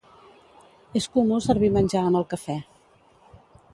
És comú servir menjar amb el cafè.